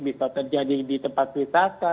bisa terjadi di tempat wisata